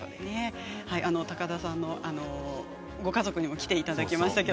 高田さんのご家族にも来ていただきましたが。